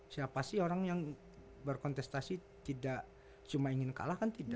siapa sih orang yang berkontestasi tidak cuma ingin kalah kan tidak